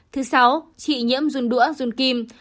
thứ sáu trị nhiễm run đũa run kim